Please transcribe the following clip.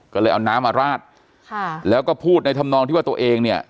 ก็เลยเอาน้ำมาราดค่ะแล้วก็พูดในธรรมนองที่ว่าตัวเองเนี่ย